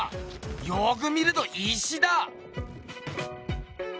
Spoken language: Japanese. よく見ると石だ！